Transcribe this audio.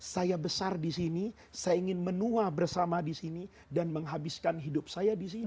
saya besar disini saya ingin menua bersama disini dan menghabiskan hidup saya disini